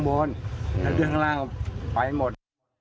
ของกันด้านล่างไปหมด